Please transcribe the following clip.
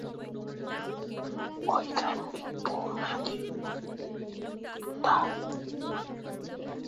এক বছরের বৃত্তি পাওয়ার পর, আসিফ মহিউদ্দীন পরিকল্পনা অনুসারে বাংলাদেশে প্রত্যাবর্তন না করে জার্মানিতে থাকার সিদ্ধান্ত গ্রহণ করেন।